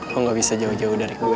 kamu bisa jauh dari gue